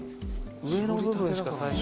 上の部分しか最初。